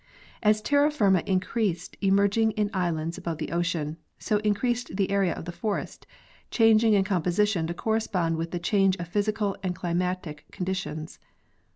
As terra firma increased emerging in islands above the ocean, so increased the area of the forest, changing in composition to correspond with the change of physical and climatic conditions.